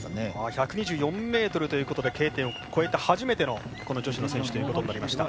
１２４ｍということでＫ点を越えた初めての女子の選手ということになりました。